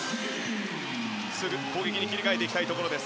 すぐ攻撃に切り替えていきたいところです。